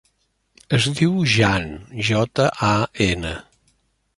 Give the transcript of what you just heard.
Es diu Jan: jota, a, ena.